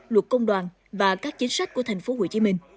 luật công đoàn và các chính sách của thành phố hồ chí minh